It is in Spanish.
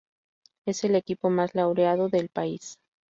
Es el equipo más laureado del país.